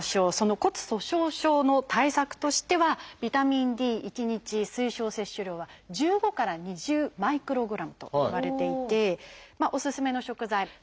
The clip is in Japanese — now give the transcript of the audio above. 骨粗しょう症の対策としてはビタミンＤ１日推奨摂取量は１５から２０マイクログラムといわれていておすすめの食材さけとか